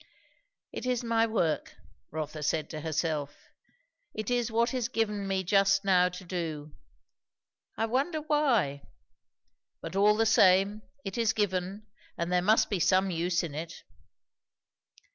"It is my work," Rotha said to herself; "it is what is given me just now to do. I wonder, why? But all the same, it is given; and there must be some use in it."